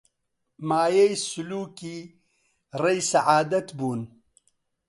مایەی سولووکی ڕێی سەعادەت بوون